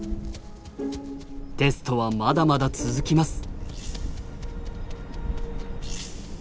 テストはまだまだ続きます。